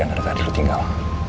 antara tadi lo tinggal